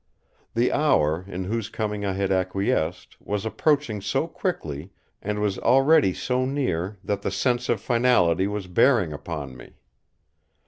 The hour, in whose coming I had acquiesced, was approaching so quickly and was already so near that the sense of finality was bearing upon me!